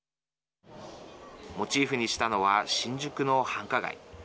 モチーフにしたのは新宿の繁華街。